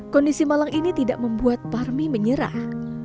kondisi malang ini tidak membuat parmi menyerah